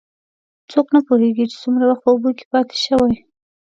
څوک نه پوهېږي، چې څومره وخت په اوبو کې پاتې شوی.